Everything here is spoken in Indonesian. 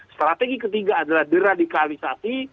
strategi ketiga adalah deradikalisasi